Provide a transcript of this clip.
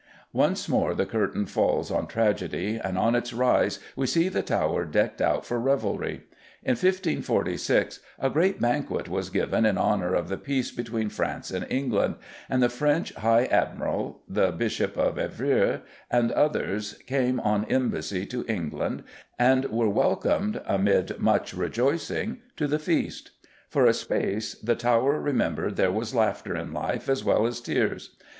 Once more the curtain falls on tragedy, and on its rise we see the Tower decked out for revelry. In 1546 a "great banquet" was given in honour of the peace between France and England, and the French High Admiral, the Bishop of Evreux, and others came on embassy to England, and were welcomed, amid much rejoicing, to the feast. For a space the Tower remembered there was laughter in life as well as tears.